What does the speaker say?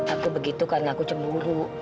aku begitu karena aku cemburu